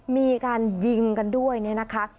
มีการยิงกันด้วยเนี่ยนะคะ